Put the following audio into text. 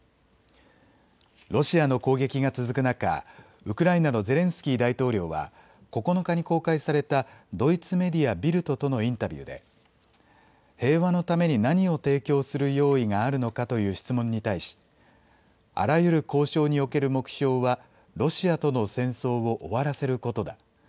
ロシアの攻撃が続く中、ウクライナのゼレンスキー大統領は９日に公開されたドイツメディア、ビルトとのインタビューで平和のために何を提供する用意があるのかという質問に対し、あらゆる交渉における目標はロシアとの戦争を終わらせることだ。